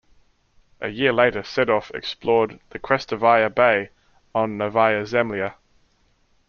A year later Sedov explored the Krestovaya Bay on Novaya Zemlya.